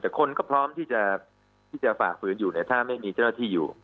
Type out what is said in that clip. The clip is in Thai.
แต่คนก็พร้อมที่จะฝ่าฝืนอยู่เนี่ยถ้าไม่มีเจ้าหน้าที่อยู่